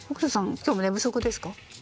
今日も寝不足ですか？